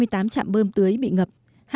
hai mươi tám trạm bơm tưới bị ngập